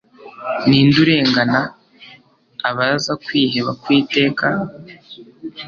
Ninde urengana abaza kwiheba kw'iteka